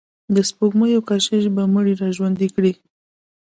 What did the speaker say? د سپوږمیو کشش به مړي را ژوندي کړي.